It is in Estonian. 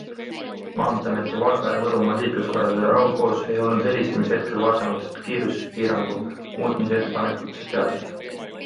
Maanteeameti Valga- ja Võrumaa liikluskorraldaja Raul Goos ei olnud helistamise hetkel varasematest kiiruspiirangu muutmise ettepanekutest teadlik.